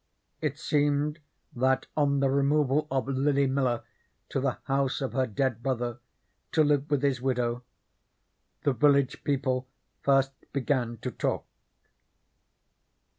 It seemed that on the removal of Lily Miller to the house of her dead brother, to live with his widow, the village people first began to talk.